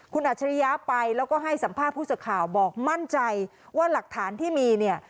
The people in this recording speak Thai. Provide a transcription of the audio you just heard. คุณอัจฉริยะไปแล้วก็ให้สัมภาษณ์ผู้สื่อข่าวบอกมั่นใจว่าหลักฐานที่มีเนี่ย